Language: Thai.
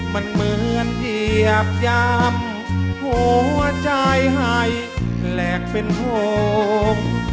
มันเหมือนเหยียบยำหัวใจให้แหลกเป็นโพง